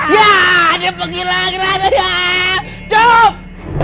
ya dia penggila kerasa dong